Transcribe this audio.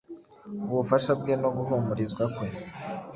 Ubufasha bwe no guhumurizwa kwe